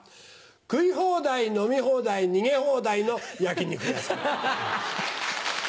食い放題飲み放題逃げ放題の焼き肉屋さん。